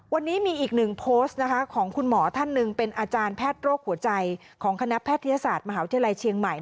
วันนี้มีอีกหนึ่งโพสต์นะคะของคุณหมอท่านหนึ่งเป็นอาจารย์แพทย์โรคหัวใจของคณะแพทยศาสตร์มหาวิทยาลัยเชียงใหม่